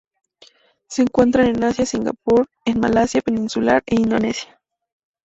Se encuentran en Asia: Singapur, en Malasia peninsular e Indonesia.